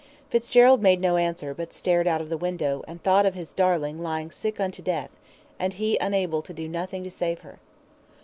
Fitzgerald made no answer, but stared out of the window, and thought of his darling lying sick unto death, and he able to do nothing to save her.